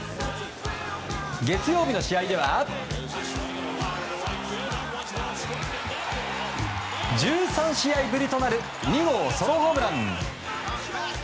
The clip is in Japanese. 月曜日の試合では１３試合ぶりとなる２号ソロホームラン。